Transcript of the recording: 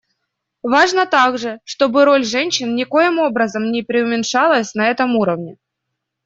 Важно также, чтобы роль женщин никоим образом не приуменьшалась на этом уровне.